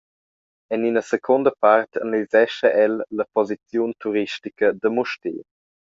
En ina secunda part analisescha el la posiziun turistica da Mustér.